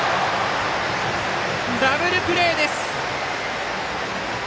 ダブルプレーです！